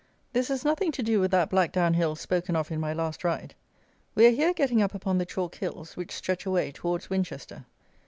This has nothing to do with that Black down Hill, spoken of in my last ride. We are here getting up upon the chalk hills, which stretch away towards Winchester.